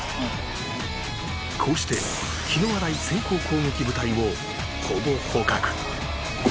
こうして気の荒い先行攻撃部隊をほぼ捕獲